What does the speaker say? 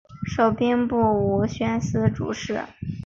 授兵部武选司主事。